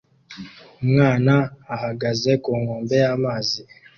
Umwana ahagaze ku nkombe y'amazi